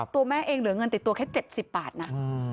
ตัวแม่เองเหลือเงินติดตัวแค่๗๐บาทนะ